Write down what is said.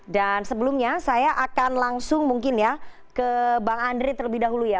dan sebelumnya saya akan langsung mungkin ya ke bang andre terlebih dahulu ya